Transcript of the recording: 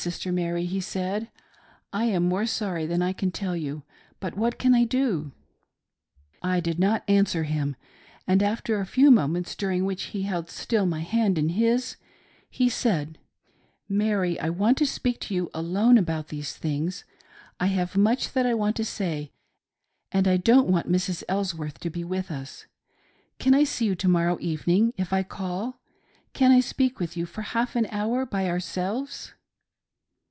Sister Mary," he said :—" I am more sorry than I can tell you — but what can I do ?" I did not answer him, and after a few moments, during which he still held my hand in his, he said :—" Mary, I want to speak to you alone about these things ; I have much that I want to say, and I don't want Mrs. Elsworth to be with us. Can I see you, to morrow evening, if I call t Can I speak with you for half an hour by ourselves